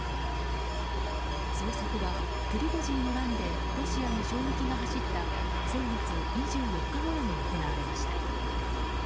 捜索は、プリゴジンの乱でロシアに衝撃が走った先月２４日ごろに行われました。